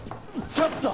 ちょっと。